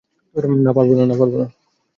না, পারব না।